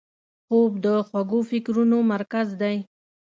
خوب د خوږو فکرونو مرکز دی